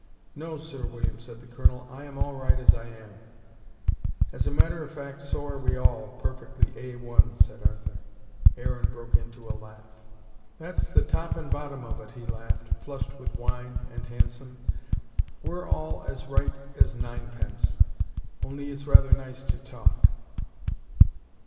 "No, Sir William," said the Colonel. "I am all right as I am." "As a matter of fact, so are we all, perfectly A one," said Arthur. Aaron broke into a laugh. "That's the top and bottom of it," he laughed, flushed with wine, and handsome. We're all as right as ninepence. Only it's rather nice to talk."